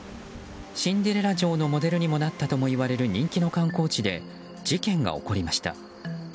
シンデレラ城のモデルになったともいわれる人気の観光地で事件が起こりました。